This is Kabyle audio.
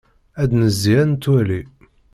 Ad d-nezzi, ad nettwali.